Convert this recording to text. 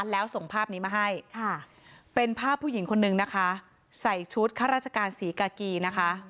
แล้วส่งภาพนี้มาให้ค่ะเป็นภาพผู้หญิงคนนึงนะคะใส่ชุดข้าราชการศรีกากีนะคะ